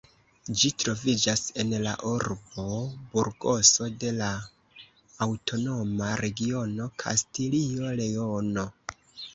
Ĝi troviĝas en la urbo Burgoso de la aŭtonoma regiono Kastilio-Leono.